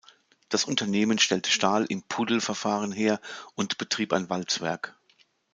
Das Unternehmen stellte Stahl im Puddelverfahren her und betrieb ein Walzwerk.